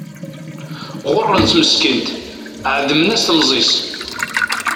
Ɣuṛṛen-tt meskint ɛedmen-as temẓi-s.